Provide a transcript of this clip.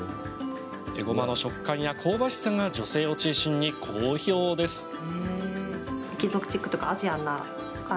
えごまの食感や香ばしさが女性を中心に好評です。